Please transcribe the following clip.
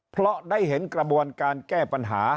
เพราะได้เห็นกระบวนการแก้ปัญหา